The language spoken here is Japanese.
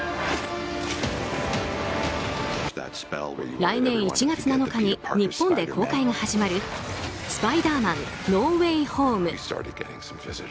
来年１月７日に日本で公開が始まる「スパイダーマン：ノー・ウェイ・ホーム」。